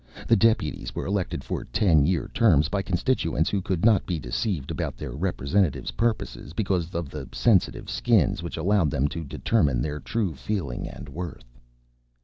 The Deputies were elected for ten year terms by constituents who could not be deceived about their representatives' purposes because of the sensitive Skins which allowed them to determine their true feelings and worth.